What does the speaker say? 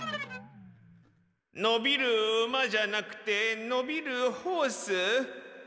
のびる馬じゃなくてのびるホース？